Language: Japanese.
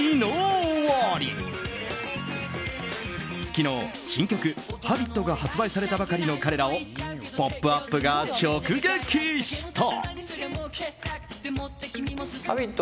昨日、新曲「Ｈａｂｉｔ」が発売されたばかりの彼らを「ポップＵＰ！」が直撃した。